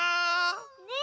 ねえ。